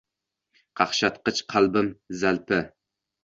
Qaqshatqich qalbim zalpi!..